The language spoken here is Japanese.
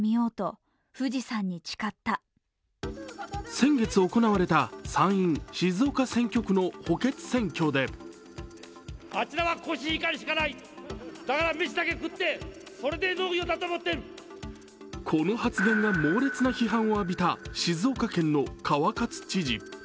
先月行われた参院静岡選挙区の補欠選挙でこの発言が猛烈な批判を浴びた静岡県の川勝知事。